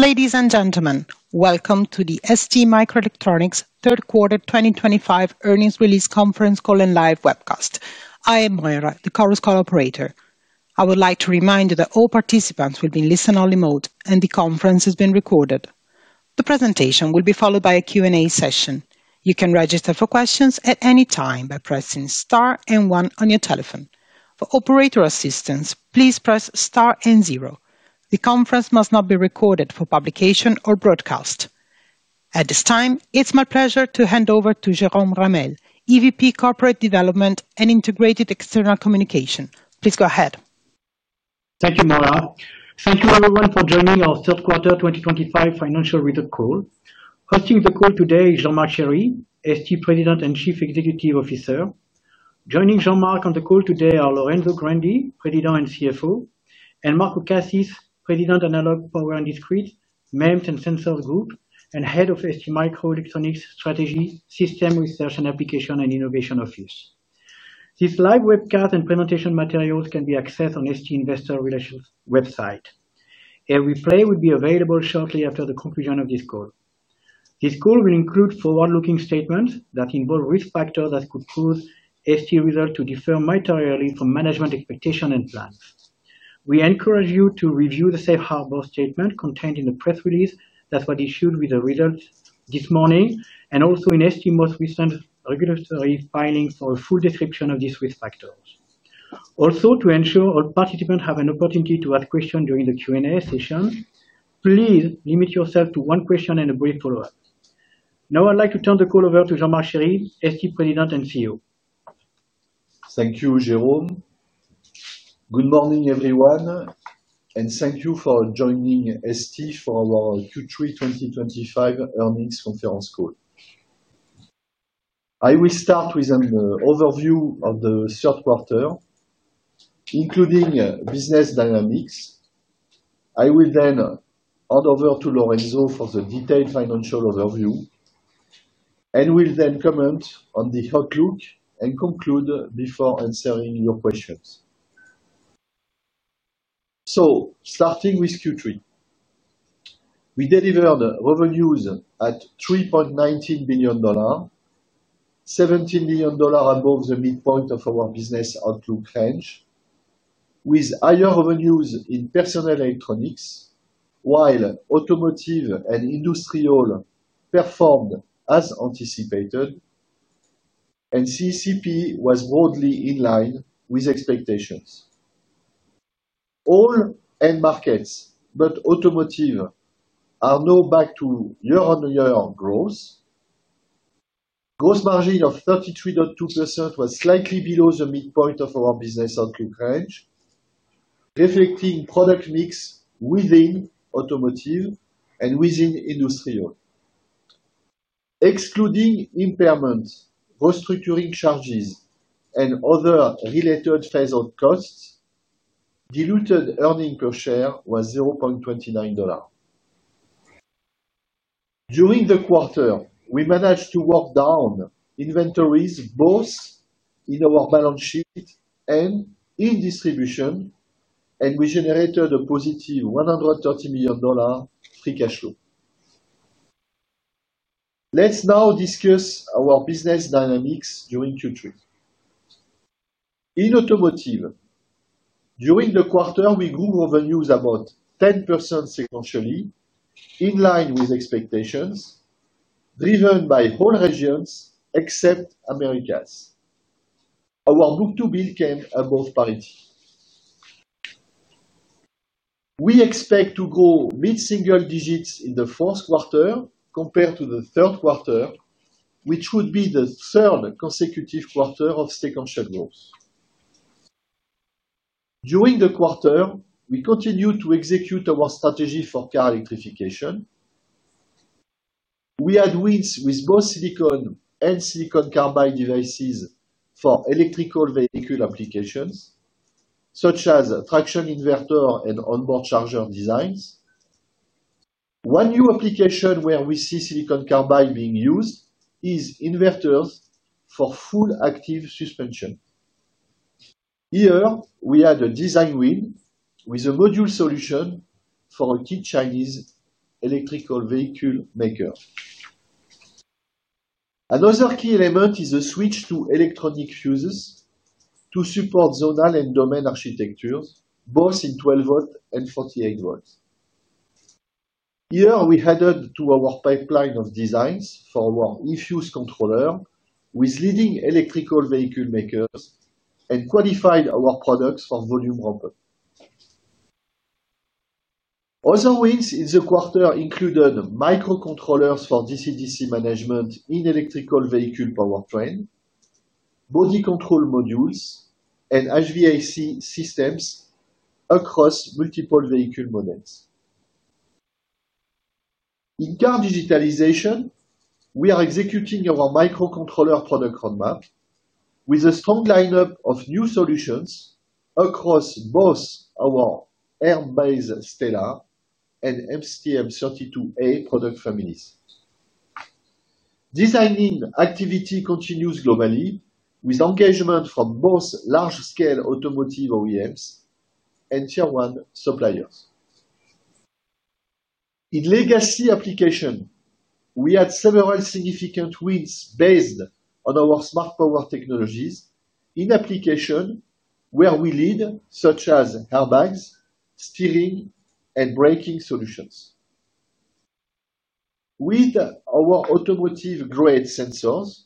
Ladies and gentlemen, welcome to the STMicroelectronics third quarter 2025 earnings release conference call and live webcast. I am Moira, the Chorus Call Operator. I would like to remind you that all participants will be in listen-only mode and the conference is being recorded. The presentation will be followed by a Q&A session. You can register for questions at any time by pressing 1 on your telephone. For operator assistance, please press star 0. The conference must not be recorded for publication or broadcast at this time. It's my pleasure to hand over to Jerome Ramel, EVP Corporate Development and Integrated External Communication. Please go ahead. Thank you, Moira, thank you everyone for joining our third quarter 2025 financial results call. Hosting the call today is Jean-Marc Chery, ST President and Chief Executive Officer. Joining Jean-Marc on the call today are Lorenzo Grandi, President and CFO, and Marco Cassis, President, Analog, Power and Discrete, MEMS and Sensors Group and Head of STM Strategy, System Research, Application and Innovation Office. This live webcast and presentation materials can be accessed on the ST Investor Relations website. A replay will be available shortly after the conclusion of this call. This call will include forward-looking statements that involve risk factors that could cause STM results to differ materially from management expectations and plans. We encourage you to review the Safe Harbor statement contained in the press release that was issued with the results this morning and also in ST most recent regulatory filings for a full description of these risk factors. Also, to ensure all participants have an opportunity to ask questions during the Q&A session, please limit yourself to one question and a brief follow-up. Now I'd like to turn the call over to Jean-Marc Chery, ST President. Thank you, Jerome. Good morning, everyone, and thank you for joining ST for our Q3 2025 earnings conference call. I will start with an overview of the third quarter, including business dynamics. I will then hand over to Lorenzo for the detailed financial overview and will then comment on the outlook and conclude before answering your questions. Starting with Q3, we delivered revenues at $3.19 billion, $17 million above the midpoint of our business outlook range, with higher revenues in personal electronics while automotive and industrial performed as anticipated, and CCP was broadly in line with expectations. All end markets but automotive are now back to year-on-year growth. Gross margin of 33.2% was slightly below the midpoint of our business outlook range, reflecting product mix within automotive and within industrial, excluding impairments, restructuring charges, and other related phase of costs. Diluted earnings per share was $0.29. During the quarter, we managed to work down inventories both in our balance sheet and in distribution, and we generated a positive $130 million free cash flow. Let's now discuss our business dynamics during Q3. In automotive, during the quarter, we grew revenues about 10% sequentially in line with expectations, driven by all regions except Americas. Our book-to-bill came above parity. We expect to grow mid-single digits in the fourth quarter compared to the third quarter, which would be the third consecutive quarter of sequential growth. During the quarter, we continued to execute our strategy. For car electrification, we had wins with both silicon and Silicon Carbide devices for electric vehicle applications such as traction inverter and onboard charger designs. One new application where we see Silicon Carbide being used is inverters for full active suspension. Here, we had a design win with a module solution for a key Chinese electric vehicle maker. Another key element is a switch to electronic fuses to support zonal and domain architectures both in 12 volt and 48 volts. Here, we added to our pipeline of designs for our E-Fuse controller with leading electric vehicle makers and qualified our products for volume ramp up. Other wins in the quarter included microcontrollers for DC-DC management in electric vehicle powertrain, body control modules, and HVAC systems across multiple vehicle models. In car digitalization, we are executing our microcontroller product roadmap with a strong lineup of new solutions across both our Airbase Stellar and STM32A product families. Designing activity continues globally with engagement from both large scale automotive OEMs and tier one suppliers. In legacy application, we had several significant wins based on our smart power technologies. In applications where we lead such as airbags, steering and braking solutions with our automotive grade sensors,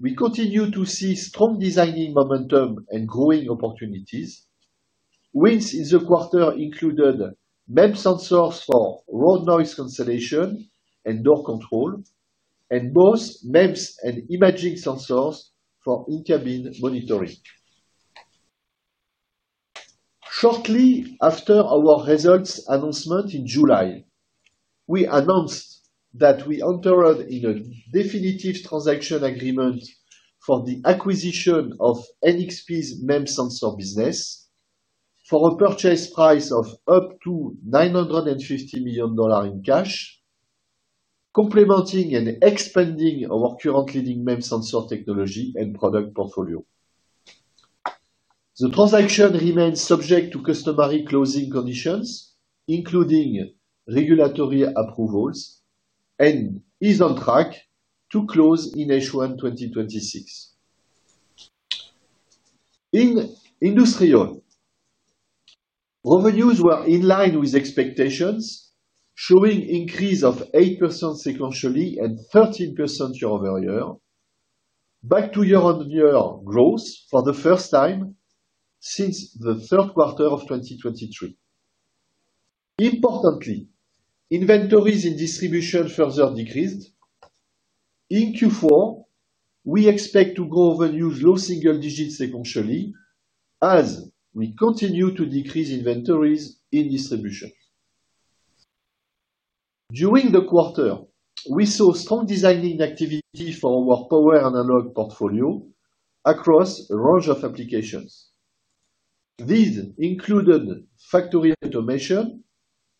we continue to see strong designing momentum and growing opportunities. Wins in the quarter included MEMS sensors for road noise cancellation and door control and both MEMS and imaging sensors for in-cabin monitoring. Shortly after our results announcement in July, we announced that we entered into a definitive transaction agreement for the acquisition of NXP's MEMS sensor business for a purchase price of up to $950 million in cash, complementing and expanding our current leading MEMS sensor technology and product portfolio. The transaction remains subject to customary closing conditions including regulatory approvals and is on track to close in H1 2026. In industrial, revenues were in line with expectations, showing increase of 8% sequentially and 13% year over year, back to year on year growth for the first time since the third quarter of 2023. Importantly, inventories in distribution further decreased in Q4. We expect to grow revenues low single digits sequentially as we continue to decrease inventories in distribution. During the quarter, we saw strong designing activity for our power analog portfolio across a range of applications. These included factory automation,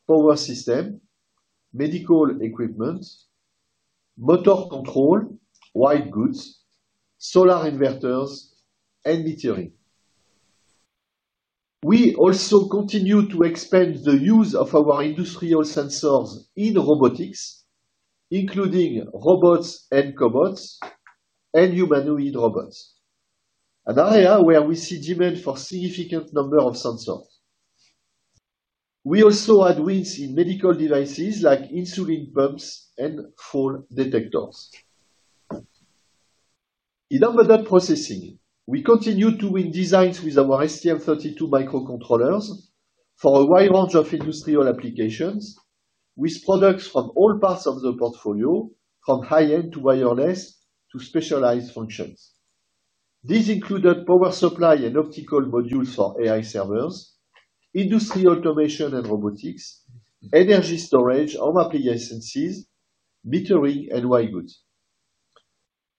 power systems, medical equipment, motor control, white goods, solar inverters and metering. We also continue to expand the use of our industrial sensors in robotics including robots and cobots and humanoid robots, an area where we see demand for significant number of sensors. We also had wins in medical devices like insulin pumps and fall detectors. In embedded processing, we continue to win designs with our STM32 microcontrollers for a wide range of industrial applications with products from all parts of the portfolio from high end to wireless to specialized functions. These included power supply and optical modules for AI servers, industry automation and robotics, energy storage, home applications, metering and white goods.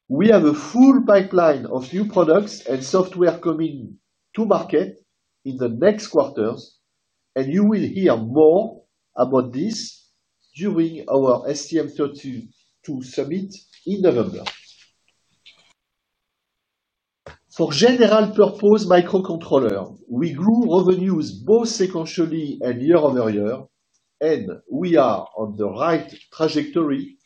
We have a full pipeline of new products and software coming to market in the next quarters, and you will hear more about this during our STM32 Summit in November. For general purpose microcontroller, we grew revenues both sequentially and year over year, and we are on the right trajectory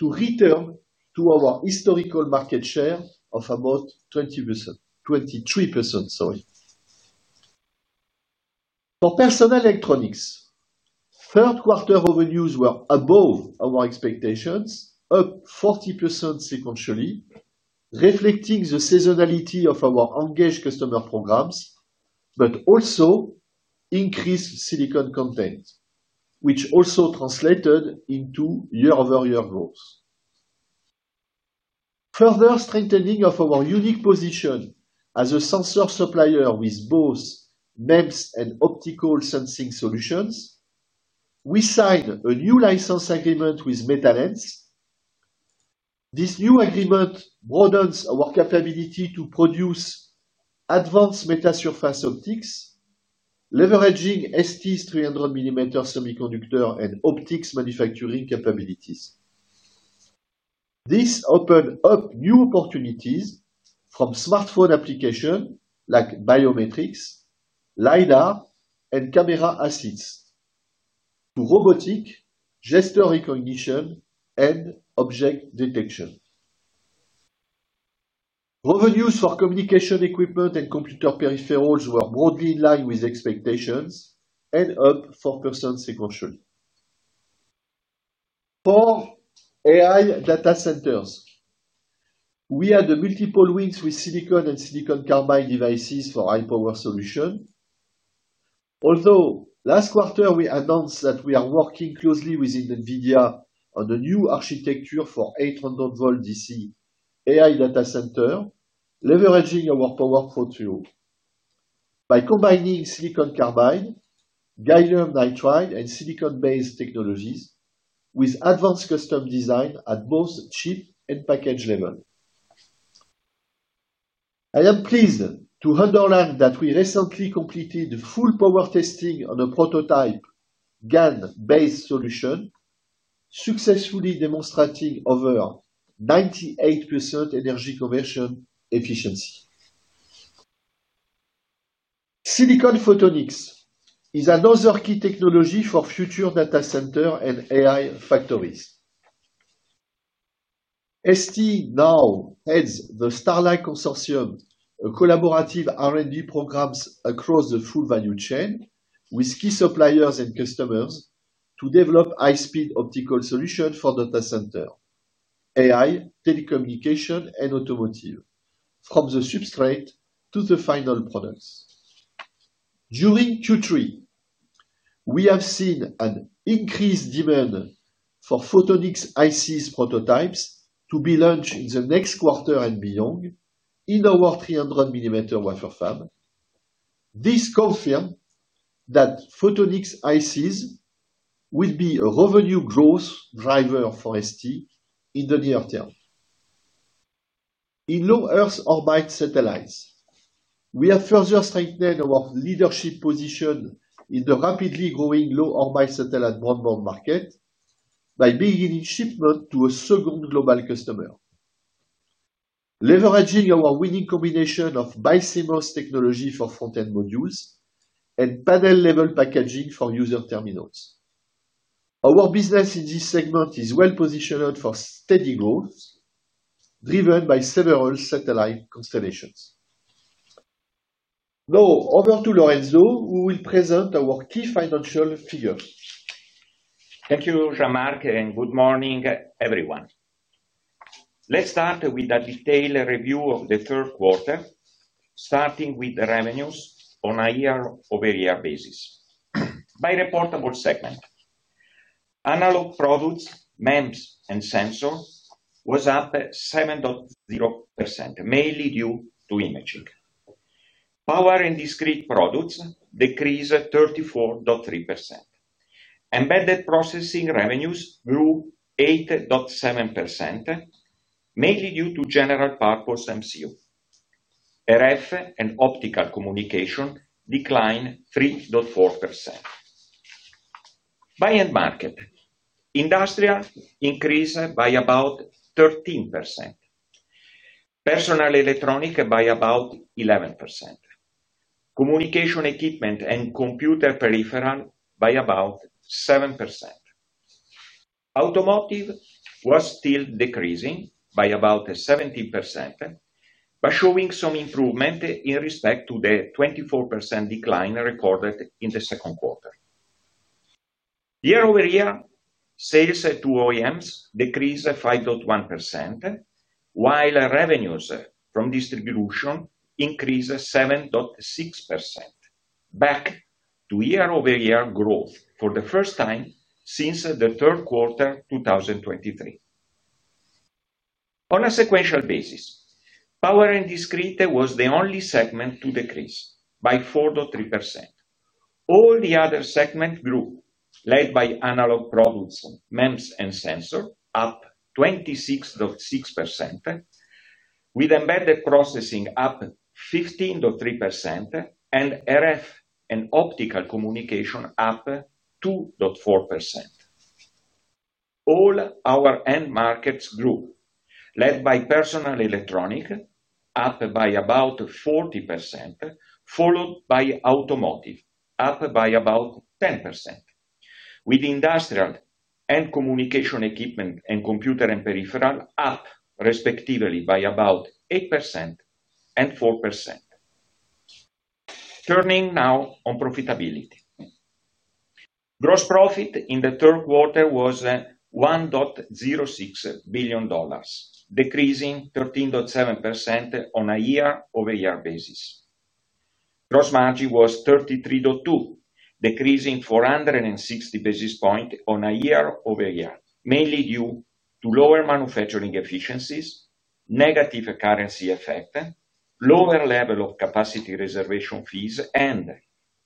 to return to our historical market share of about 20%-23%. For personal electronics, third quarter revenues were above our expectations, up 40% sequentially, reflecting the seasonality of our engaged customer programs, but also increased silicon content, which also translated into year over year growth. Further strengthening of our unique position as a sensor supplier with both MEMS and optical sensing solutions, we signed a new license agreement with Metalenz. This new agreement broadens our capability to produce advanced Metasurface Optics, leveraging ST's 300mm semiconductor and optics manufacturing capabilities. This opened up new opportunities from smartphone applications like biometrics, LiDAR, and camera assets to robotic gesture recognition and object detection. Revenues for communication equipment and computer peripherals were broadly in line with expectations and up 4% sequentially. For AI data centers, we had multiple wins with silicon and Silicon Carbide devices for high power solutions. Although last quarter we announced that we are working closely with NVIDIA on a new architecture for 800 volt DC AI data center, leveraging our power portfolio by combining Silicon Carbide, gallium nitride, and silicon based technologies with advanced custom design at both chip and package level. I am. Pleased to underline that we recently completed full power testing on a prototype GaN-based solution, successfully demonstrating over 98% energy conversion efficiency. Silicon photonics is another key technology for future data center and AI factories. ST now heads the STARLight Consortium, a collaborative R&D program across the full value chain with key suppliers and customers to develop high-speed optical solutions for data center AI, telecommunications, and automotive from the substrate to the final products. During Q3, we have seen an increased demand for photonics ICs prototypes to be launched in the next quarter and beyond in our 300-mm wafer fab. This confirms that photonics ICs will be a revenue growth driver for ST in the near term. In low Earth orbit satellites, we have further strengthened our leadership position in the rapidly growing low orbital and broadband market by beginning shipment to a second global customer, leveraging our winning combination of BiCMOS technology for front-end modules and panel-level packaging for user terminals. Our business in this segment is well positioned for steady growth driven by several satellite constellations. Now over to Lorenzo, who will present our key financial figures. Thank you Jean-Marc and good morning everyone. Let's start with a detailed review of the third quarter, starting with the revenues on a year-over-year basis by reportable segment. Analog products, MEMS and sensor was up 7.0% mainly due to imaging. Power and discrete products decreased 34.3%. Embedded processing revenues grew 8.7% mainly due to general purpose MCO. RF and optical communication declined 3.4%. By end market, industrial increased by about 13%, personal electronic by about 11%, communication equipment and computer peripheral by about 7%. Automotive was still decreasing by about 17% but showing some improvement in respect to the 24% decline recorded in the second quarter. Year over year, sales to OEMs decreased 5.1% while revenues from distribution increased 7.6%. Back to year-over-year growth for the first time since the third quarter 2023. On a sequential basis, power and discrete was the only segment to decrease by 4.3%. All the other segments grew, led by analog products, MEMS and sensor up 26.6% with embedded processing up 15.3% and RF and optical communication up 2.4%. All our end markets grew, led by personal electronics up by about 40% followed by automotive up by about 10%, with industrial and communication equipment and computer and peripheral up respectively by about 8% and 4%. Turning now on profitability, gross profit in the third quarter was $1.06 billion, decreasing 13.7% on a year-over-year basis. Gross margin was 33.2%, decreasing 460 basis points on a year-over-year mainly due to lower manufacturing efficiencies, negative currency effect, lower level of capacity reservation fees and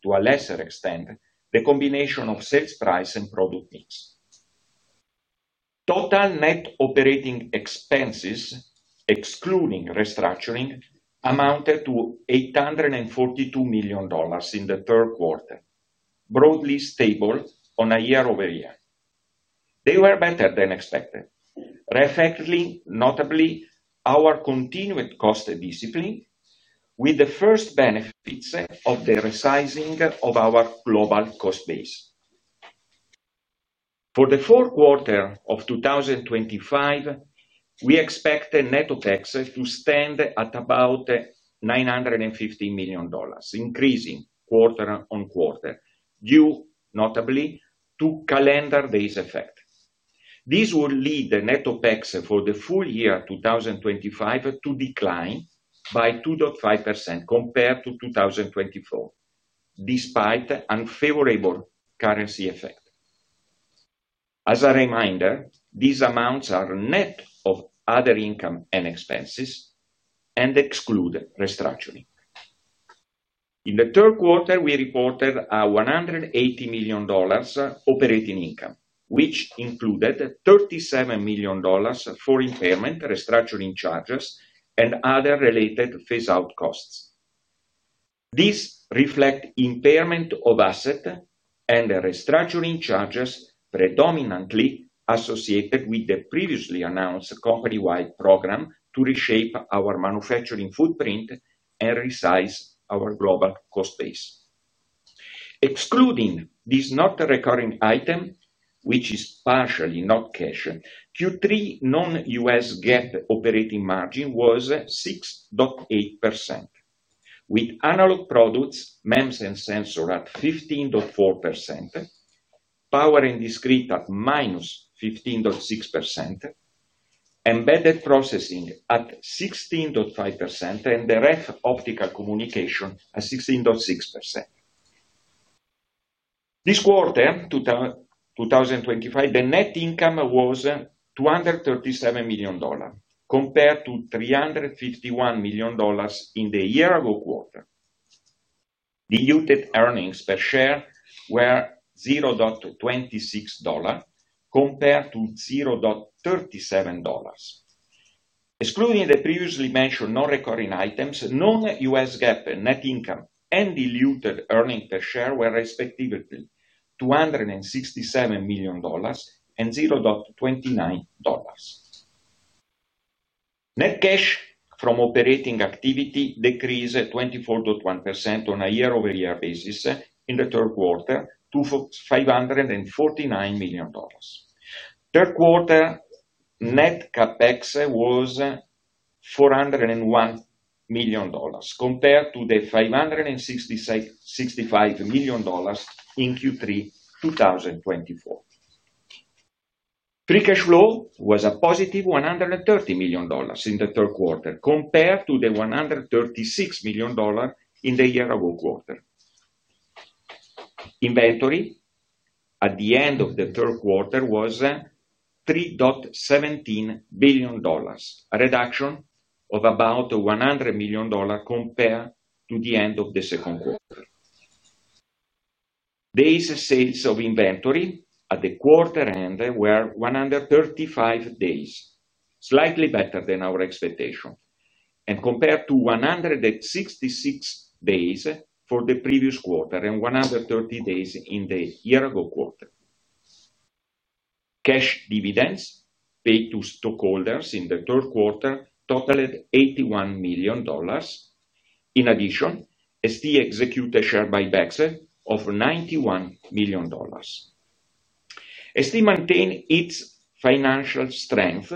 to a lesser extent the combination of sales price and product mix. Total net operating expenses excluding restructuring amounted to $842 million in the third quarter. Broadly stable on a year-over-year, they were better than expected reflecting notably our continued cost discipline with the first benefits of the resizing of our global cost base. For the fourth quarter of 2025 we expect net of tax to stand at about $950 million, increasing quarter on quarter due notably to calendar days effect. This would lead the net OpEx for the full year 2025 to decline by 2.5% compared to 2024 despite unfavorable currency effect. As a reminder, these amounts are net of other income and expenses and exclude restructuring. In the third quarter we reported $180 million operating income, which included $37 million for impairment, restructuring charges, and other related phase-out costs. These reflect impairment of assets and restructuring charges predominantly associated with the previously announced company-wide program to reshape our manufacturing footprint and resize our global cost base. Excluding this non-recurring item, which is partially non-cash, Q3 non-U.S. GAAP operating margin was 6.8%, with analog products, MEMS and sensor at 15.4%, power and discrete at -15.6%, embedded processing at 16.5%, and the ref optical communication at 16.6%. This quarter 2025, the net income was $237 million compared to $351 million in the year-ago quarter. Diluted earnings per share were $0.26 compared to $0.37, excluding the previously mentioned non-recurring items. Non-U.S. GAAP net income and diluted earnings per share were respectively $267 million and $0.29. Net cash from operating activity decreased 24.1% on a year-over-year basis in the third quarter to $549 million. Third quarter net CapEx was $401 million compared to $565 million in Q3 2024. Free cash flow was a positive $130 million in the third quarter compared to $136 million in the year-ago quarter. Inventory at the end of the third quarter was $3.17 billion, a reduction of about $100 million compared to the end of the second quarter. Days sales of inventory at the quarter end were 135 days, slightly better than our expectation and compared to 166 days for the previous quarter and 130 days in the year-ago quarter. Cash dividends paid to stockholders in the third quarter totaled $81 million. In addition, ST executed share buybacks of $91 million. ST maintains its financial strength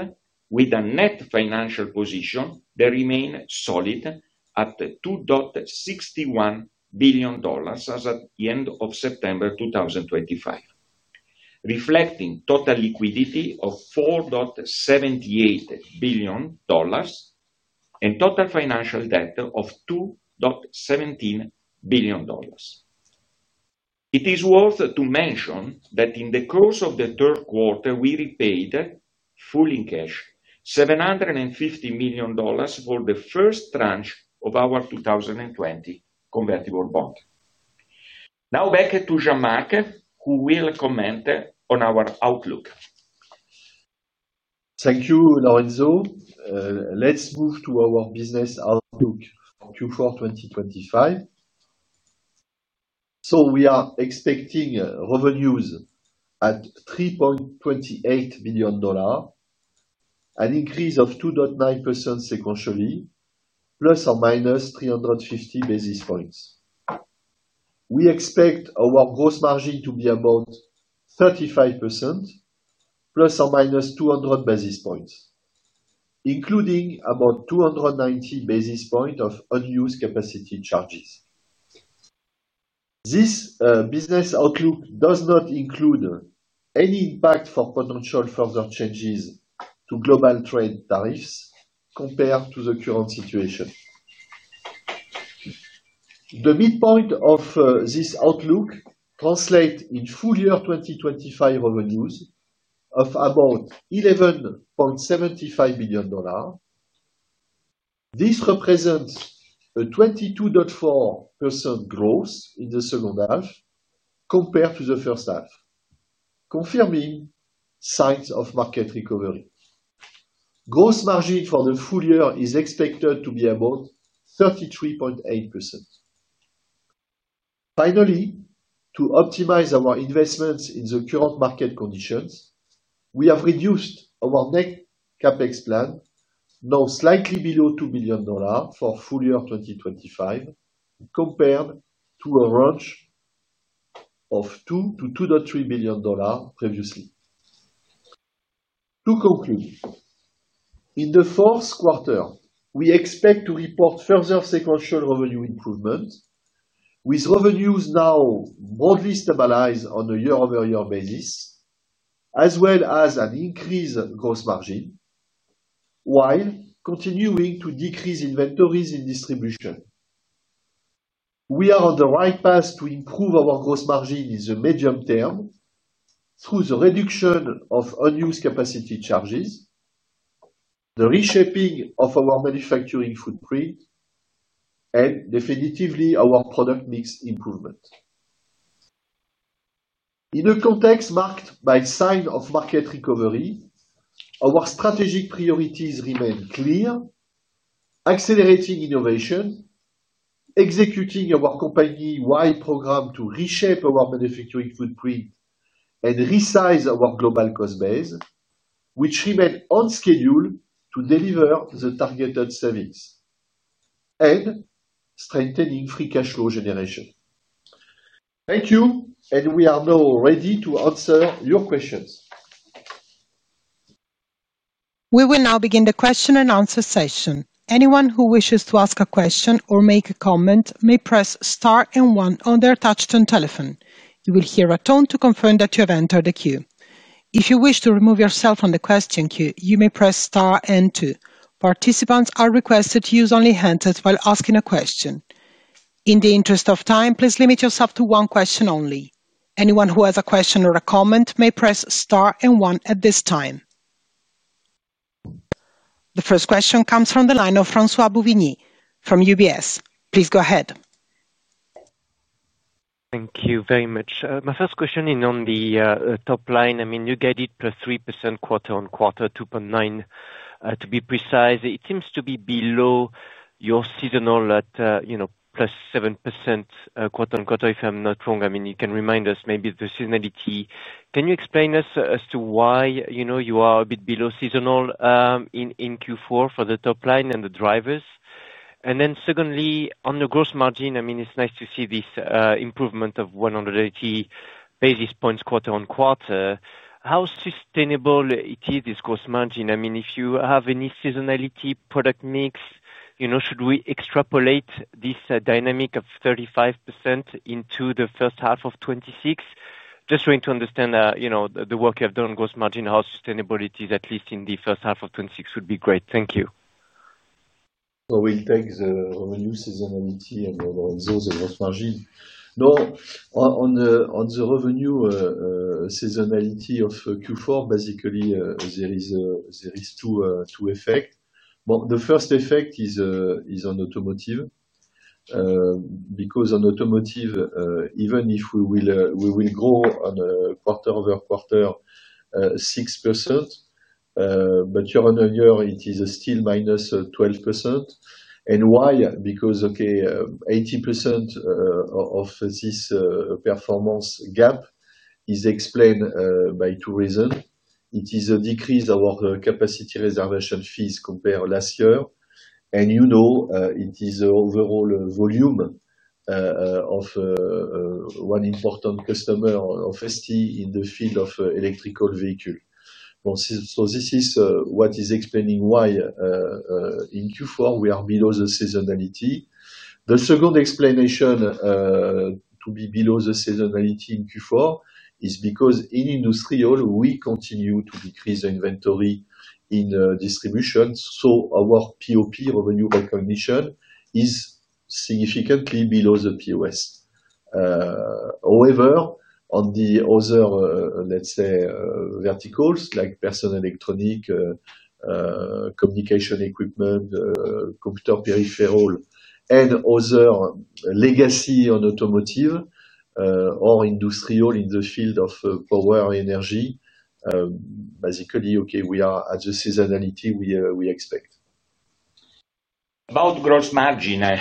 with a net financial position that remained solid at $2.61 billion as at the end of September 2025, reflecting total liquidity of $4.78 billion and total financial debt of $2.17 billion. It is worth to mention that in the course of the third quarter we repaid in full in cash $750 million for the first tranche of our 2020 convertible bond. Now back to Jean-Marc who will comment on our outlook. Thank you, Lorenzo. Let's move to our business outlook for Q4 2025. We are expecting revenues at $3.28 billion, an increase of 2.9% sequentially, ±350 basis points. We expect our gross margin to be about 35%, ±200 basis points, including about 290 basis points of unused capacity charges. This business outlook does not include any impact for potential further changes to global trade tariffs. Compared to the current situation, the midpoint of this outlook translates in full year 2025 revenues of about $11.75 billion. This represents a 22.4% growth in the second half compared to the first half, confirming signs of market recovery. Gross margin for the full year is expected to be about 33.8%. Finally, to optimize our investments in the current market conditions, we have reduced our net CapEx plan, now slightly below $2 billion for full year 2025 compared to a range of $2 billion-$2.3 billion previously. To conclude, in the fourth quarter, we expect to report further sequential revenue improvement, with revenues now broadly stabilized on a year over year basis as well as an increased gross margin while continuing to decrease inventories in distribution. We are on the right path to improve our gross margin in the medium term through the reduction of unused capacity charges, the reshaping of our manufacturing footprint, and definitively our product mix improvement in a context marked by signs of market recovery. Our strategic priorities remain clear: accelerating innovation, executing our company wide program to reshape our manufacturing footprint and resize our global cost base, which remain on schedule to deliver the targeted savings, and strengthening free cash flow generation. Thank you, and we are now ready to answer your questions. We will now begin the question and answer session. Anyone who wishes to ask a question or make a comment may press star and one on their touchtone telephone. You will hear a tone to confirm that you have entered the queue. If you wish to remove yourself from the question queue, you may press star and 2. Participants are requested to use only handsets while asking a question. In the interest of time, please limit yourself to one question only. Anyone who has a question or a comment may press star and 1 at this time. The first question comes from the line of François Bovignies from UBS. Please go ahead. Thank you very much. My first question is on the top line, I mean you guided plus 3% quarter on quarter, 2.9% to be precise. It seems to be below your seasonal at, you know, plus 7% quote unquote, if I'm not wrong. I mean, you can remind us maybe the seasonality. Can you explain to us as to why, you know, you are a bit below seasonal in Q4 for the top line and the drivers? Secondly, on the gross margin, I mean it's nice to see this improvement of 180 basis points quarter on quarter. How sustainable is this gross margin? I mean, if you have any seasonality, product mix, you know, should we extrapolate this dynamic of 35% into 1H26? Just trying to understand, you know, the work you have done on gross margin, how sustainable it is at least in 1H26 would be great. Thank you. We'll take the revenue seasonality, and on the revenue seasonality of Q4, basically there are two effects. The first effect is on automotive because on automotive, even if we will grow quarter over quarter 6%, year on year it is still minus 12%. Why? Because 80% of this performance gap is explained by two reasons. It is a decrease of capacity reservation fees compared to last year, and it is overall volume of one important customer of STMicroelectronics in the field of electric vehicle. This is what is explaining why in Q4 we are below the seasonality. The second explanation to be below the seasonality in Q4 is because in industrial we continue to decrease inventory in distribution, so our POP revenue recognition is significantly below the POS. However, on the other verticals like personal electronic, communication equipment, computer peripheral, and other legacy on automotive or industrial in the field of power energy, basically we are at the seasonality we expect. About gross margin in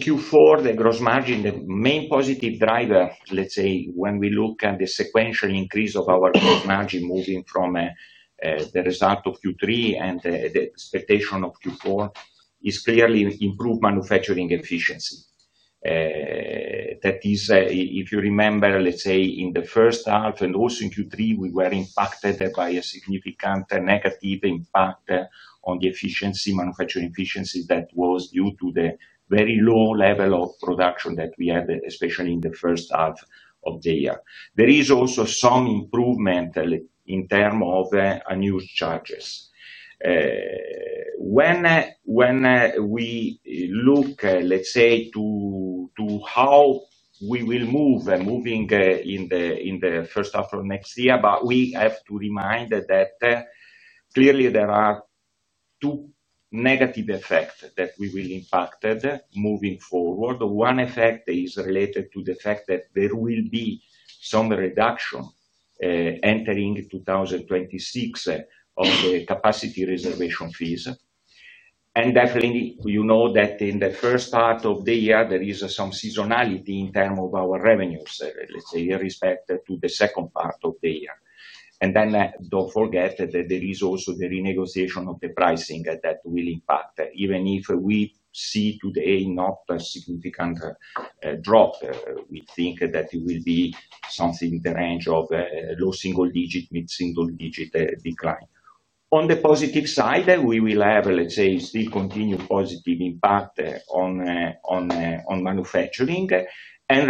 Q4, the gross margin, the main positive driver, let's say when we look at the sequential increase of our gross margin moving from the result of Q3 and the expectation of Q4, is clearly improved manufacturing efficiency. That is, if you remember, let's say in the first half and also in Q3, we were impacted by a significant negative impact on the manufacturing efficiencies that was due to the very low level of production that we had, especially in the first half of the year. There is also some improvement in terms of new charges when we look, let's say, to how we will move in the first approach next year. We have to remind that clearly there are two negative effects that will impact moving forward. One effect is related to the fact that there will be some reduction entering 2026 of the capacity reservation fees, and definitely you know that in the first part of the year there is some seasonality in terms of our revenues, let's say irrespective to the second part of the year. Do not forget that there is also the renegotiation of the pricing that will impact. Even if we see today not a significant drop, we think that it will be something in the range of low single digit, mid single digit decline. On the positive side, we will have, let's say, still continued positive impact. On. Manufacturing and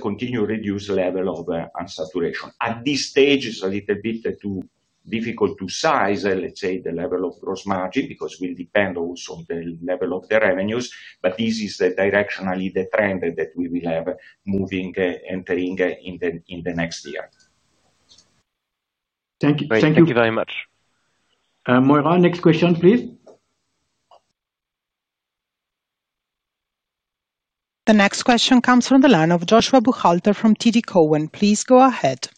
continue to reduce level of unsaturation. At this stage, it's a little bit too difficult to size, let's say, the level of gross margin because it will depend also on the level of the revenues. This is directionally the trend that we will have moving entering in the next year. Thank you. Thank you very much. Moira, next question please. The next question comes from the line of Joshua Buchalter from TD Cowen. Please go ahead.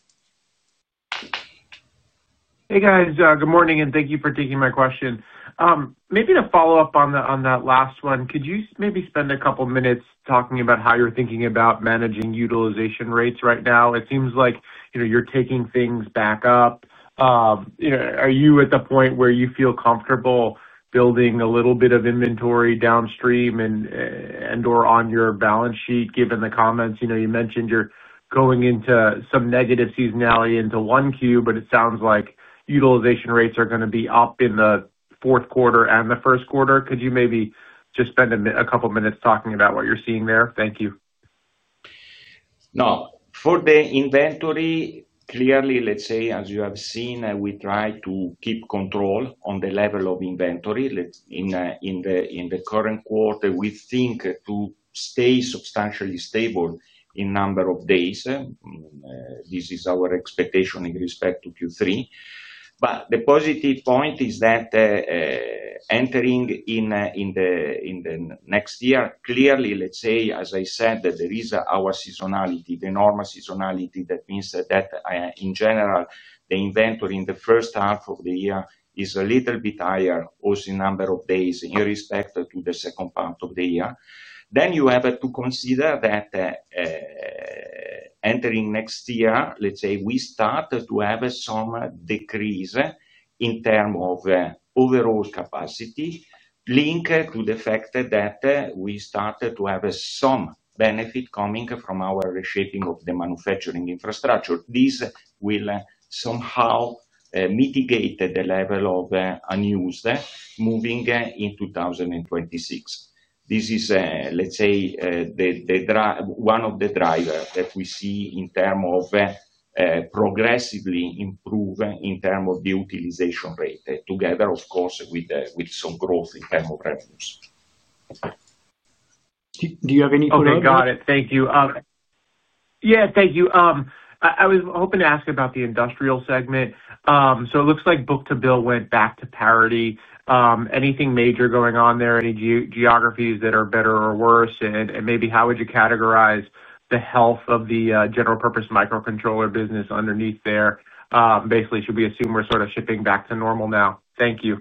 Hey guys, good morning and thank you for taking my question. Maybe to follow up on that last one, could you maybe spend a couple minutes talking about how you're thinking about managing utilization rates right now? It seems like you're taking things back up. Are you at the point where you feel comfortable building a little bit of inventory downstream and or on your balance sheet, given the comments you mentioned, you're going into some negative seasonality into 1Q, but it sounds like utilization rates are going to be up in the fourth quarter and the first quarter. Could you maybe just spend a couple minutes talking about what you're seeing there? Thank you. Now for the inventory, clearly let's say as you have seen, we try to keep control on the level of inventory in the current quarter. We think to stay substantially stable in number of days. This is our expectation in respect to Q3. The positive point is that entering in the next year, clearly let's say as I said, that there is our seasonality, the normal seasonality. That means that in general the inventory in the first half of the year is a little bit higher also in number of days irrespective to the second part of the year. You have to consider that entering next year, let's say we start to have some decrease in terms of overall capacity linked to the fact that we started to have some benefit coming from our reshaping of the manufacturing infrastructure. This will somehow mitigate the level of unused moving in 2026. This is let's say one of the drivers that we see in terms of progressively improve in terms of the utilization rate together of course with some growth in thermal revenues. Do you have any? Okay, got it. Thank you. Thank you. I was hoping to ask about the industrial segment. It looks like book to bill went back to parity. Is anything major going on there? Are any geographies better or worse, and maybe how would you categorize the health of the general purpose microcontroller business underneath there? Basically, should we assume we're sort of shifting back to normal now? Thank you.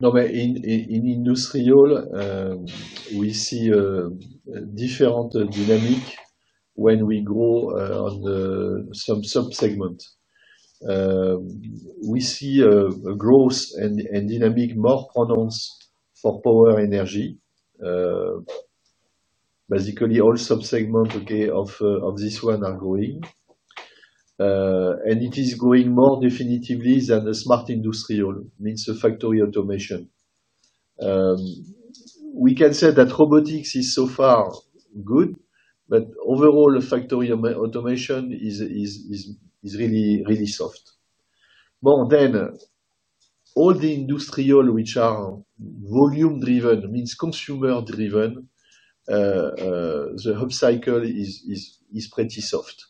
In industrial we see different dynamic. When we go on some sub segment we see a growth and dynamic market pronounced for power energy. Basically all sub segments of this one are growing and it is going more definitively than the smart industrial means the factory automation. We can say that robotics is so far good, but overall the factory automation is really soft. More than all the industrial which are volume driven means consumer driven. The up cycle is pretty soft.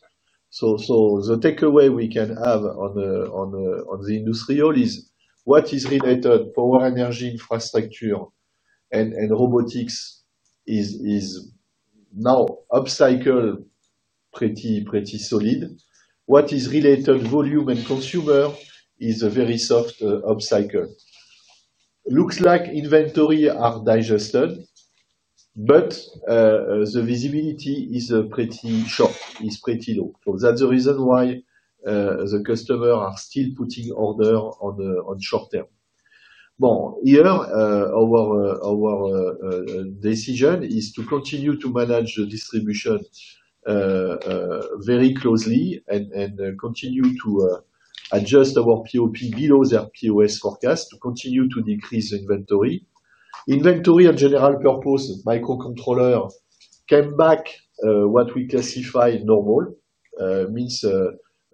The takeaway we can have on the industrial is what is related power energy infrastructure and robotics is now upcycled pretty, pretty solid. What is related volume and consumer is a very soft upcycle. Looks like inventory are digested, but the visibility is pretty short, is pretty low. That's the reason why the customer are still putting order on short term. Here our decision is to continue to manage the distribution very closely and continue to adjust our pop below their POS forecast to continue to decrease inventory. Inventory and general purpose microcontroller came back what we classified normal means a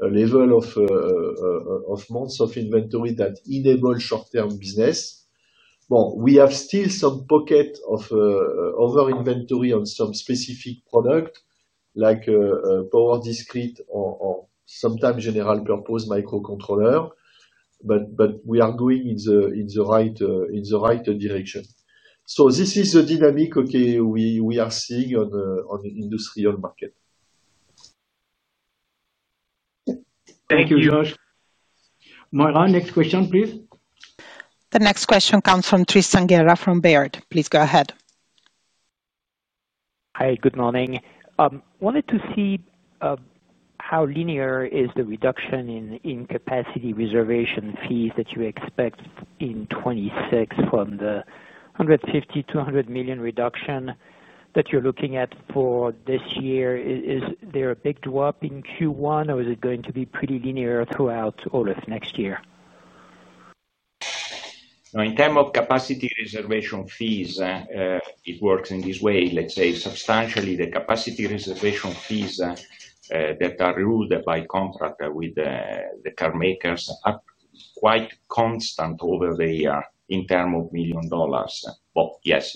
level of months of inventory that enable short term business. We have still some pocket of other inventory on some specific product like Power Discrete or sometimes general purpose microcontroller. We are going in the right direction. This is the dynamic we are seeing on industrial market. Thank you, Josh. Moira, next question, please. The next question comes from Tristan Gerra from Baird. Please go ahead. Hi, good morning. Wanted to see how linear is the reduction in capacity reservation fees that you expect in 2026 from the $150 million-$200 million reduction that you're looking at for this year. Is there a big drop in Q1, or is it going to be pretty linear throughout all of next year? In terms of capacity reservation fees, it works in this way. Let's say substantially, the capacity reservation fees that are ruled by contract with the carmakers are quite constant over the year in terms of million dollars.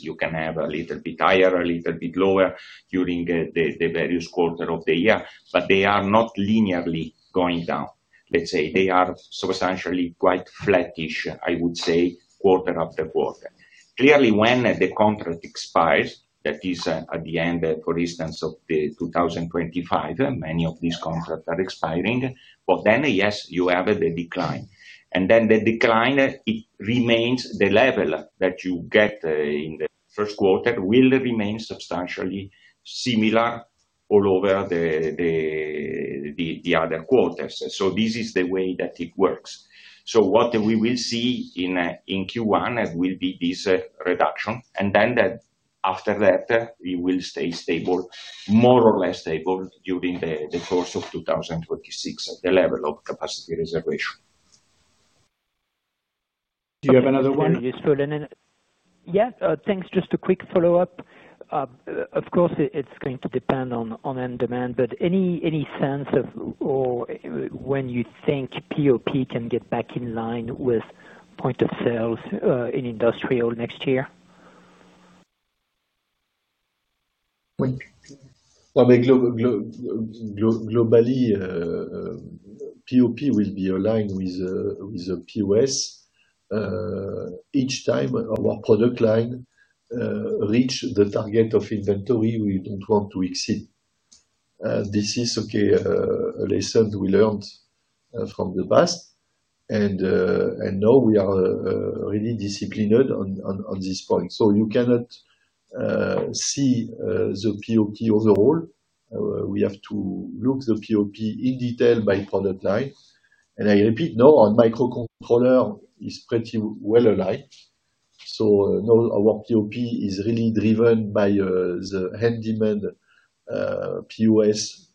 You can have a little bit higher, a little bit lower during the various quarters of the year, but they are not linearly going down. Let's say they are substantially quite flattish, I would say, quarter after quarter. Clearly, when the contract expires, that is at the end, for instance, of 2025, many of these contracts are expiring. Yes, you have the decline, and then the decline remains. The level that you get in the first quarter will remain substantially similar all over the other quarters. This is the way that it works. What we will see in Q1 will be this reduction, and then after that it will stay stable, more or less stable, during the course of 2026 at the level of capacity reservation. Do you have another one? Yes, thanks. Just a quick follow-up. Of course, it's going to depend on end demand, but any sense of or when you think POP can get back in line with point of sales in industrial next year? Globally, POP will be aligned with POS. Each time our product line reaches the target of inventory we don't want to exceed, this is okay. A lesson we learned from the past, and now we are really disciplined on this point. You cannot see the POP overall; we have to look at the POP in detail by product line. I repeat, no. Our microcontroller is pretty well aligned, so our POP is really driven by the end demand POS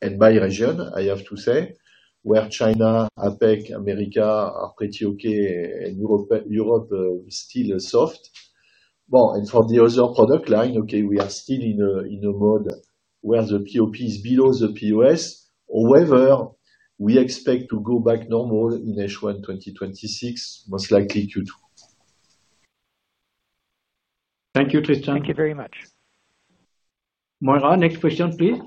and by region. I have to say, where China, APEC, America are pretty okay, and Europe is still soft. For the other product line, we are still in a mode where the POP is below the POS. However, we expect to go back to normal in H1 2026, most likely Q2. Thank you, Tristan. Thank you very much. Moira, next question please.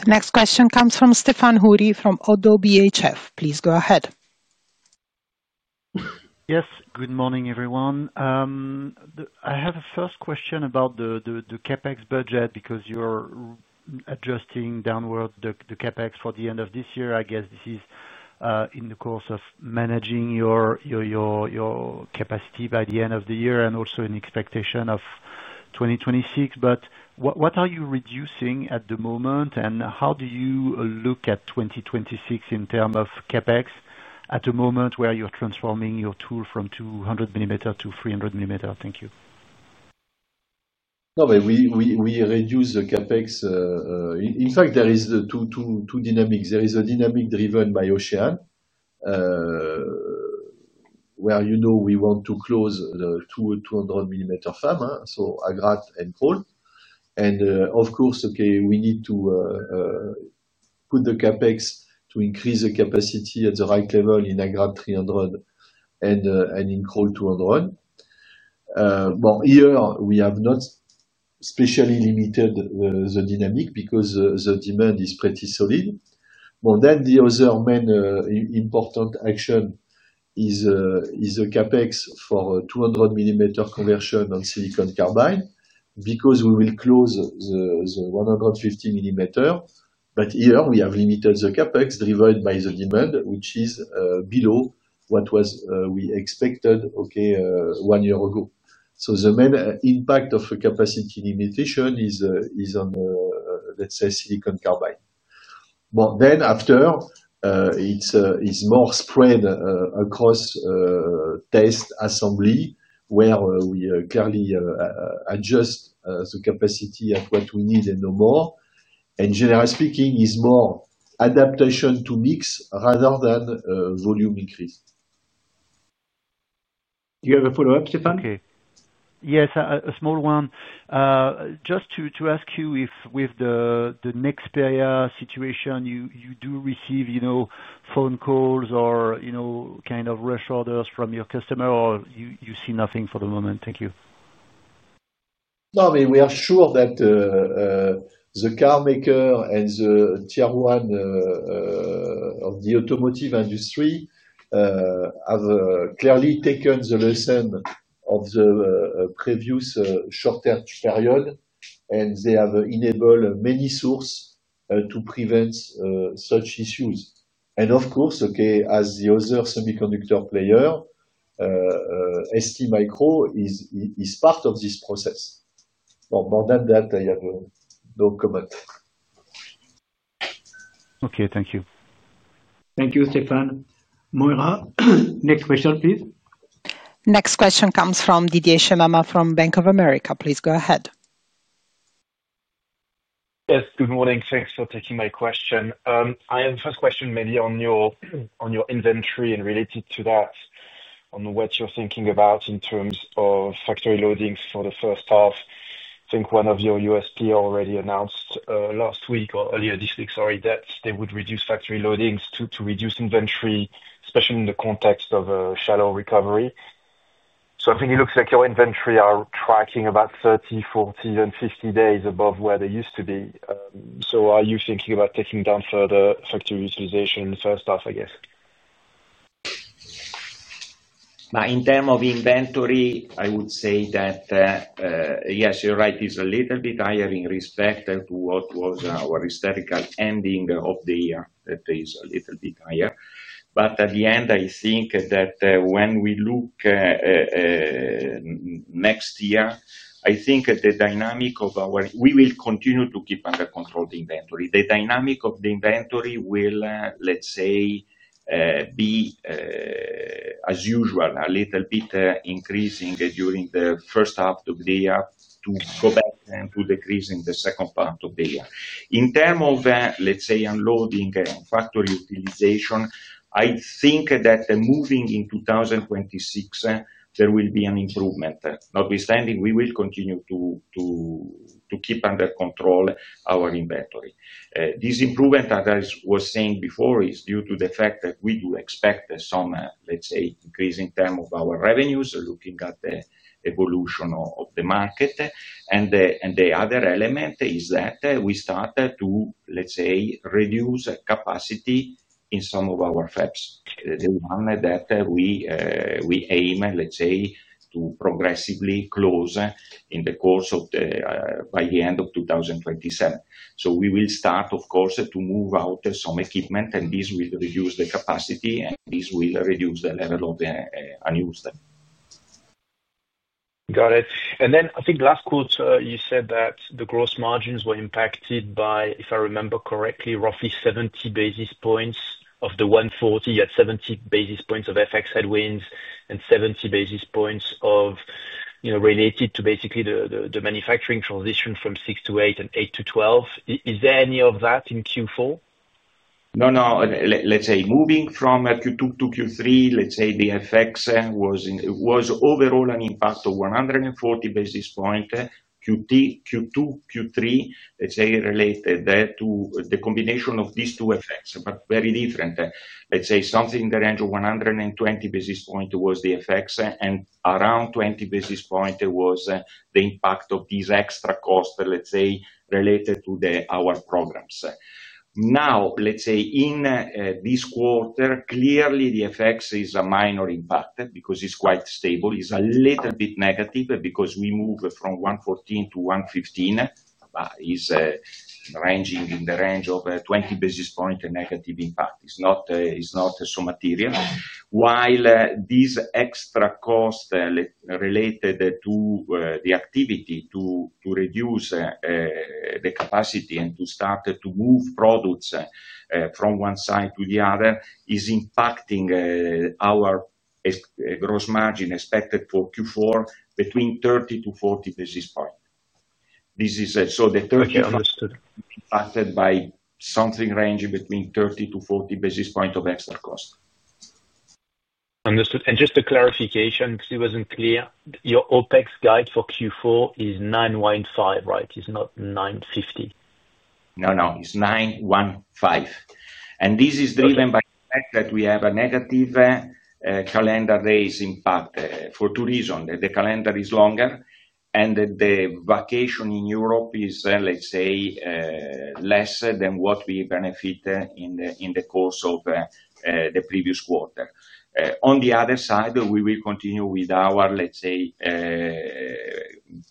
The next question comes from Stéphane Houri from ODDO BHF. Please go ahead. Yes. Good morning everyone. I have a first question about the CapEx budget because you're adjusting downward the CapEx for the end of this year. I guess this is in the course of managing your capacity by the end of the year and also an expectation of 2026. What are you reducing at the moment, and how do you look at 2026 in terms of CapEx at a point where you're transforming your tool from 200 mm to 300 mm? Thank you. We reduce the CapEx. In fact, there are two dynamics. There is a dynamic driven by our plan where, you know, we want to close the 200-mm fab, so Agrate and Crolles. Of course, we need to put the CapEx to increase the capacity at the right level in Agrate 300 and in Crolles 200. Here, we have not specially limited the dynamic because the demand is pretty solid. The other main important action is a CapEx for 200 mm conversion on Silicon Carbide because we will close the 150 mm. Here, we have limited the CapEx driven by the demand, which is below what we expected one year ago. The main impact of capacity limitation is on, let's say, Silicon Carbide. After that, it is more spread across test assembly, where we clearly adjust the capacity to what we need and no more. Generally speaking, it is more adaptation to mix rather than volume increase. You have a follow-up, Stéphane? Yes, a small one. Just to ask you if with the next NXP situation you do really receive phone calls or kind of rush orders from your customer, or you see nothing for the moment. Thank you. We are sure that the carmaker and the tier one of the automotive industry have clearly taken the lesson of the previous short term period, and they have enabled many sources to prevent such issues. Of course, as the other semiconductor player, STMicro is part of this process. More than that I have no comment. Okay, thank you. Thank you. Stéphane. Moira, next question please. Next question comes from Didier Scemama from Bank of America. Please go ahead. Yes, good morning. Thanks for taking my question. I have the first question maybe on your inventory and related to that, on what you're thinking about in terms of factory loadings for the first half. I think one of your peers already announced last week or earlier this week, sorry, that they would reduce factory loadings to reduce inventory, especially in the context of a shallow recovery. It looks like your inventory is tracking about 30, 40, and 50 days above where they used to be. Are you thinking about taking down further factory utilization in the first half? I guess now in terms of inventory, I would say that yes, you're right, it's a little bit higher in respect to what was our historical ending of the year. A little bit higher. At the end, I think that when we look next year, I think the dynamic of our, we will continue to keep under control the inventory. The dynamic of the inventory will, let's say, be as usual, a little bit increasing during the first half of the year to go back to decreasing the second part of the year in terms of, let's say, unloading factory utilization. I think that moving in 2026 there will be an improvement, notwithstanding we will continue to keep under control our inventory. This improvement, as I was saying before, is due to the fact that we do expect some, let's say, increase in terms of our revenues looking at the evolution of the market. The other element is that we start to, let's say, reduce capacity in some of our fabs that we aim, let's say, to progressively close in the course of the by the end of 2027. We will start, of course, to move out some equipment and this will reduce the capacity and this will reduce the level of use them. Got it. I think last quarter you said that the gross margins were impacted by, if I remember correctly, roughly 70 basis points of the 140 at 70 basis points of FX headwinds and 70 basis points of, you know, related to basically the manufacturing transition from 6 to 8 and 8 to 12. Is there any of that in Q4? No, no. Moving from Q2 to Q3, the FX was overall an impact of 140 basis points. Q2 to Q3, related to the combination of these two effects, but very different. Something in the range of 120 basis points was the FX and around 20 basis points was the impact of these extra costs related to our programs. In this quarter, clearly the FX is a minor impact because it's quite stable. It's a little bit negative because we move from 1.14 to 1.15, ranging in the range of 20 basis points negative impact. It's not so material. While these extra costs related to the activity to reduce the capacity and to start to move products from one side to the other is impacting our gross margin expected for Q4 between 30 basis points-40 basis points. This is the 30, something ranging between 30 to 40 basis points of extra cost. Understood. Just a clarification because it wasn't clear. Your OpEx guide for Q4 is $915 million, right? It's not $950 million. No, no, it's $915 million. This is driven by the fact that we have a negative calendar days impact for two reasons. The calendar is longer, and the vacation in Europe is, let's say, less than what we benefited in the course of the previous quarter. On the other side, we will continue with our, let's say,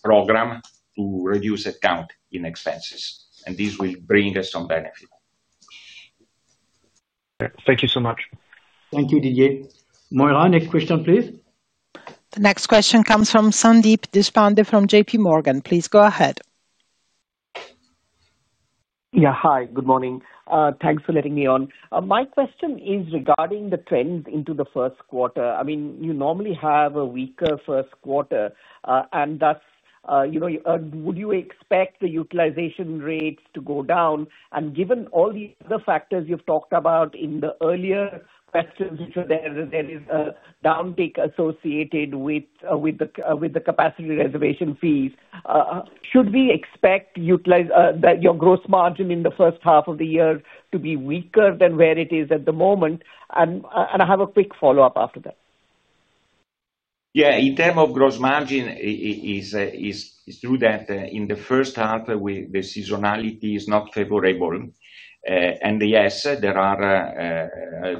program to reduce account in expenses, and this will bring us some benefit. Thank you so much. Thank you. Didier, next question please. The next question comes from Sandeep Deshpande from JPMorgan. Please go ahead. Yeah, hi, good morning. Thanks for letting me on. My question is regarding the trends into the first quarter. I mean you normally have a weaker first quarter. Would you expect the utilization rates to go down? Given all the other factors you've talked about in the earlier questions, there is a downtick associated with the capacity reservation fees. Should we expect your gross margin in the first half of the year to be weaker than where it is at the moment? I have a quick follow up after that. Yeah, in terms of gross margin, it is true that in the first half the seasonality is not favorable, and yes, there are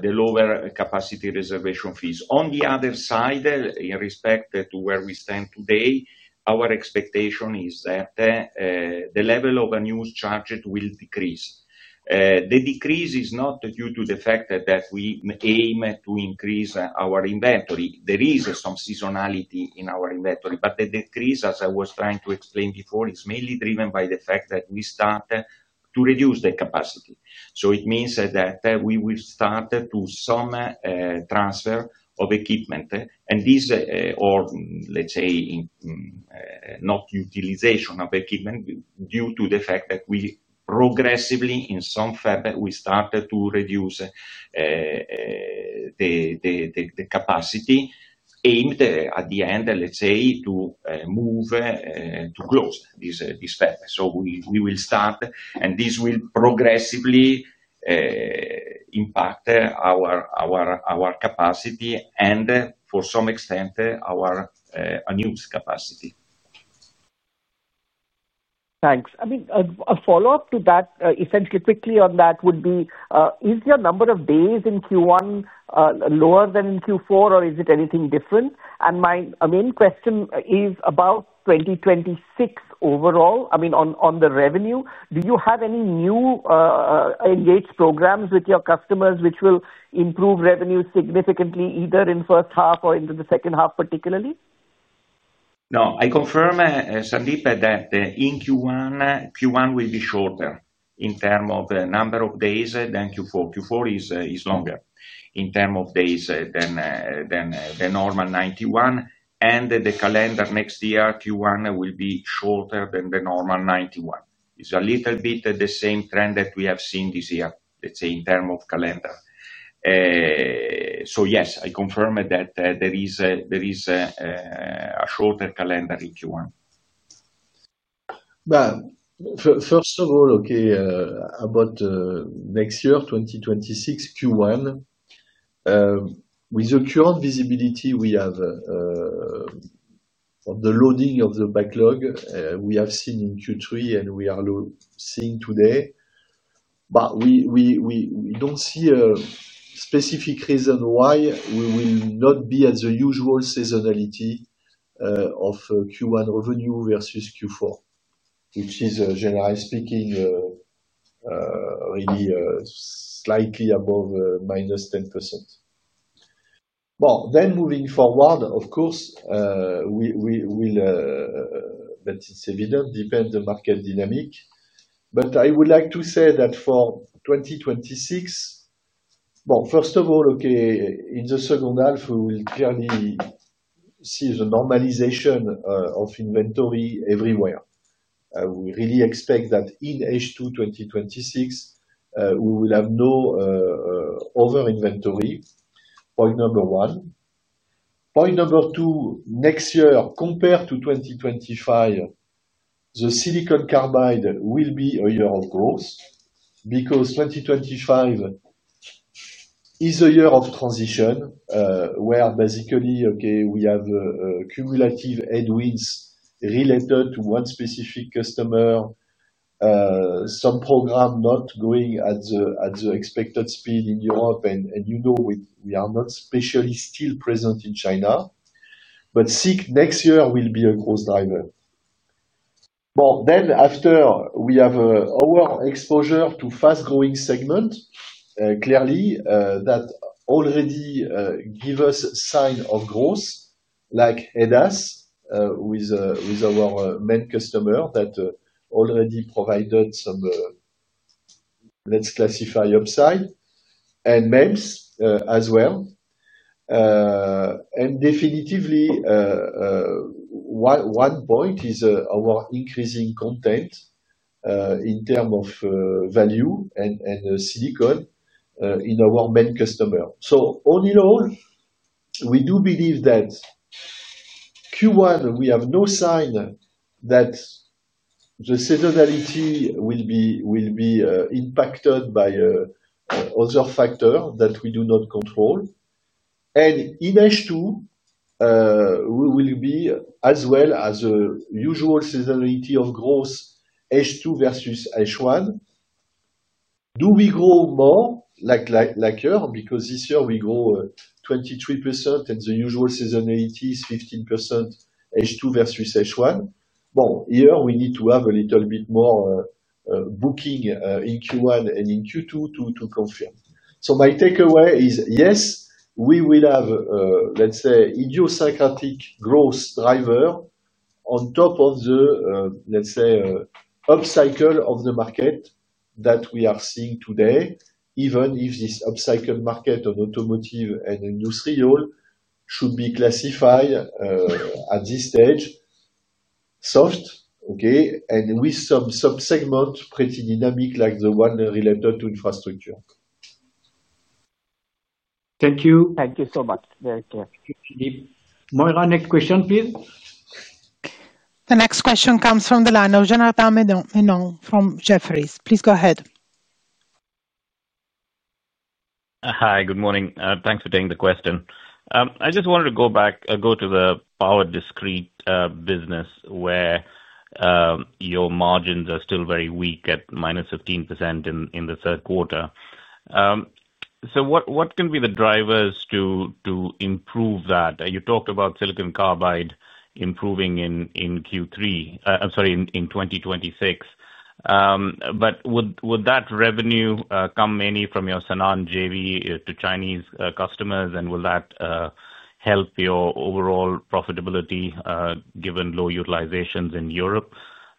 the lower capacity reservation fees on the other side. Irrespective of where we stand today, our expectation is that the level of unused charges will decrease. The decrease is not due to the fact that we aim to increase our inventory. There is some seasonality in our inventory. The decrease, as I was trying to explain before, is mainly driven by the fact that we start to reduce the capacity. It means that we will start some transfer of equipment and this, or let's say not utilization of equipment, is due to the fact that we progressively, in some fabs, started to reduce the capacity aimed at the end, let's say, to move to close this fab. We will start, and this will progressively impact our capacity and to some extent our annual capacity. Thanks. I mean, a follow-up to that essentially, quickly on that, would be is your number of days in Q1 lower than in Q4, or is it anything different? My main question is about 2026 overall. I mean, on the revenue, do you have any new engaged programs with your customers which will improve revenue significantly, either in the first half or into the second half? Particularly, no. I confirm, Sandeep, that in Q1, Q1 will be shorter in terms of number of days than Q4. Q4 is longer in terms of days than the normal 91, and the calendar next year, Q1 will be shorter than the normal 91. It's a little bit the same trend that we have seen this year, let's say, in terms of calendar. Yes, I confirm that there is a shorter calendar in Q1. First of all, about next year 2026 Q1, with the current visibility, we. Have. The loading of the backlog we have seen in Q3 and we are seeing today, but we don't see a specific reason why we will not be at the usual seasonality of Q1 revenue versus Q4, which is generally speaking really slightly above minus 10%. Moving forward, of course. But. It's evident depends on market dynamic. I would like to say that for 2026, first of all, in the second half we will clearly see the normalization of inventory everywhere. We really expect that in H2 2026 we will have no other inventory point number one. Point number two, next year compared to 2025, the Silicon Carbide will be a year of growth because 2025 is a year of transition where basically we have cumulative headwinds related to one specific customer, some program not going at the expected speed in Europe. You know, we are not specially still present in China, but SiC next year will be a growth driver. After, we have our exposure to fast growing segment clearly that already give us sign of growth like advanced driver-assistance systems with our main customer that already provided some, let's classify, upside and MEMS as well. Definitively one point is our increasing content in terms of value and silicon in our main customer. All in all, we do believe that Q1 we have no sign that the seasonality will be impacted by other factors that we do not control. In H2 we will be as well as the usual seasonality of growth H2 versus H1. Do we grow more like because this year we grew 23% and the usual seasonality is 15% H2 versus H1. Here we need to have a little bit more booking in Q1 and in Q2 to confirm. My takeaway is yes, we will have, let's say, idiopsychotic growth driver on top of the, let's say, upcycle of the market that we are seeing today, even if this upcycle market of automotive and industrial should be classified at this stage soft, and with some sub segments pretty dynamic like the one related to infrastructure. Thank you, thank you so much. Very careful. Moira, next question please. The next question comes from the line of Jonathan from Jefferies. Please go ahead. Hi, good morning. Thanks for taking the question. I just wanted to go back to the Power Discrete business where your margins are still very weak at minus 15% in the third quarter. What can be the drivers to improve that? You talked about Silicon Carbide improving in Q3, I'm sorry, in 2026. Would that revenue come mainly from your Sanan JV to Chinese customers? Will that help your overall profitability given low utilizations in Europe?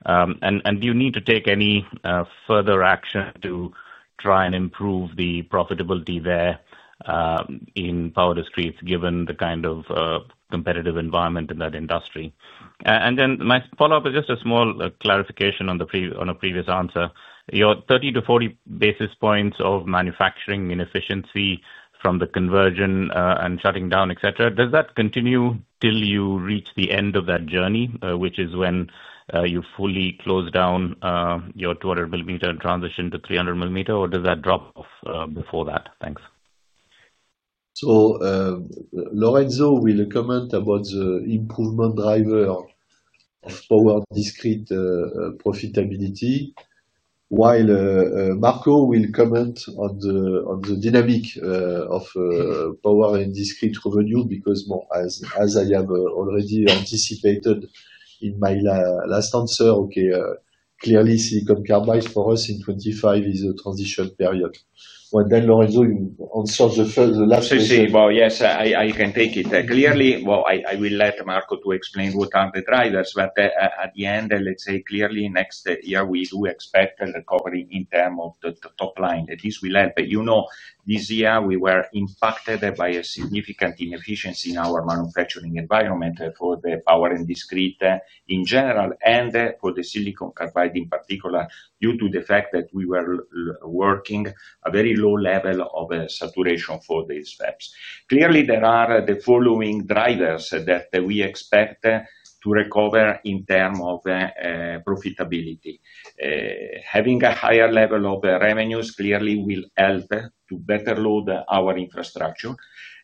Do you need to take any further action to try and improve the profitability there in Power Discretes, given the kind of competitive environment in that industry? My follow up is just a small clarification on a previous answer. Your 30 basis points-40 basis points of manufacturing inefficiency from the conversion and shutting down, etc. Does that continue till you reach the end of that journey, which is when you fully close down your 200 mm and transition to 300 mm, or does that drop off before that? Thanks. Lorenzo, with a comment about the improvement driver of Power Discrete profitability, while Marco will comment on the dynamic of power and discrete revenue, because as I have already anticipated in my last answer. Clearly, Silicon Carbide for us in 2025 is a transition period. Lorenzo, you answered the last question well. Yes, I can take it clearly. I will let Marco explain what are the drivers. At the end, let's say clearly next year we do expect a recovery in terms of the top line. At least we learned that this year we were impacted by a significant inefficiency in our manufacturing environment for the power and discrete in general, and for the Silicon Carbide in particular, due to the fact that we were working at a very low level of saturation for these steps. There are the following drivers that we expect to recover in terms of profitability. Having a higher level of revenues clearly will help to better load our infrastructure.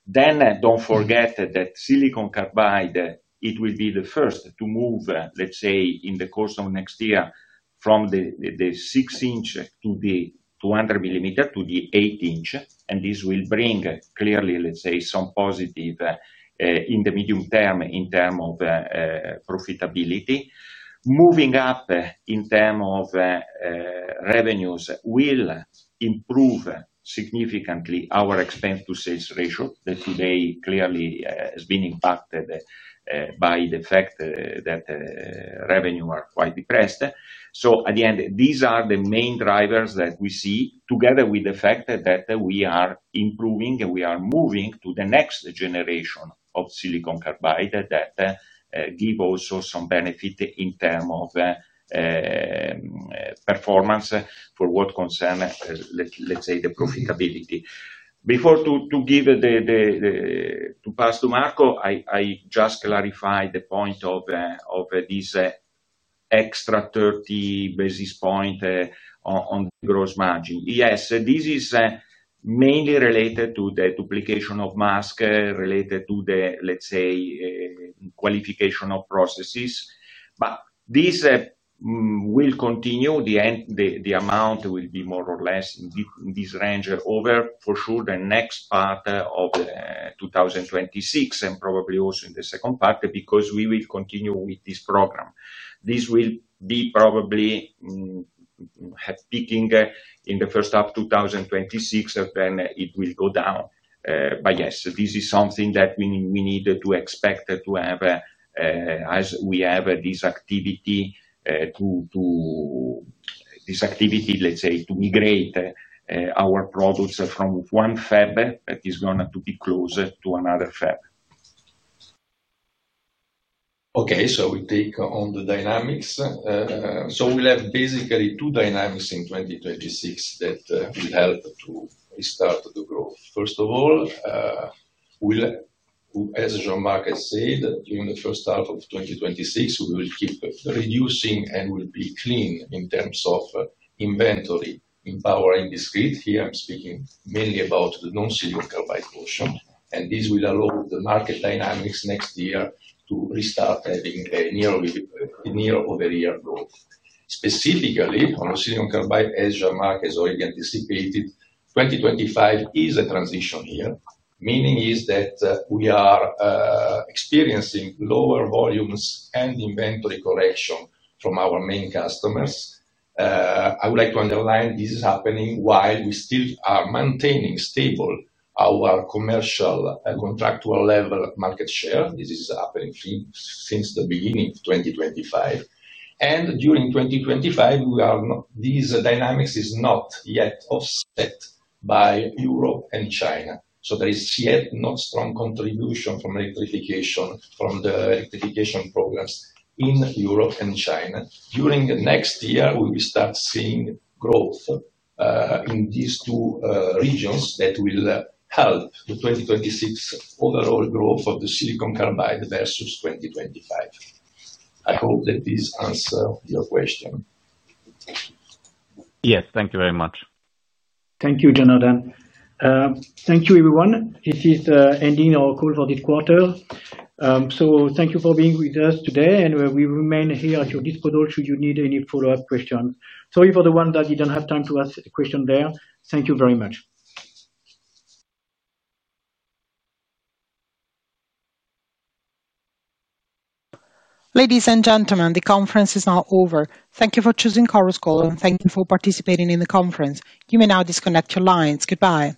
Don't forget that Silicon Carbide will be the first to move, let's say in the course of next year from the 6 inch to the 200mm to the 8 inch. This will bring, clearly, some positive in the medium term in terms of profitability. Moving up in terms of revenues will improve significantly our expense to sales ratio that today has been impacted by the fact that revenues are quite depressed. At the end, these are the main drivers that we see together with the fact that we are improving and we are moving to the next generation of Silicon Carbide that gives also some benefit in terms of performance for what concerns the profitability. Before I pass to Marco, I just clarify the point of this extra 30 basis points on gross margin. Yes, this is mainly related to the duplication of mask related to the qualification of processes. This will continue. The amount will be more or less in this range for sure over the next part of 2026 and probably also in the second part, because we will continue with this program. This will probably be peaking in the first half of 2026, then it will go down. This is something that we need to expect to have as we have this activity, this activity to migrate our products from one fab that is going to be closed to another fab. Okay, we take on the dynamics. We'll have basically two dynamics in 2025 that will help to start the growth. First of all, as Jean-Marc has said, during the first half of 2025 we will keep reducing and will be clean in terms of inventory in power in this grid. Here I'm speaking mainly about the non-Silicon Carbide portion. This will allow the market dynamics next year to restart having year-over-year growth, specifically on Silicon Carbide. As Jean-Marc has already anticipated, 2025 is a transition year. Meaning is that we are experiencing lower volumes and inventory correction from our main customers. I would like to underline this is happening while we still are maintaining stable our commercial contractual level of market share. This is happening since the beginning of 2025. During 2025 these dynamics are not yet offset by Europe and China. There is yet not strong contribution from the electrification programs in Europe and China. During next year we will start seeing growth in these two regions that will help the 2026 overall growth of the Silicon Carbide versus 2025. I hope that this answers your question. Yes. Thank you very much. Thank you, Jonathan. Thank you, everyone. This is ending our call for this quarter, so thank you for being with us today. We remain here at your disposal should you need any follow-up questions. Sorry for the ones that didn't have time to ask a question there. Thank you very much. Ladies and gentlemen, the conference is now over. Thank you for choosing Chorus Call and thank you for participating in the conference. You may now disconnect your lines. Goodbye.